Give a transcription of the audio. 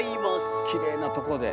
きれいなとこで。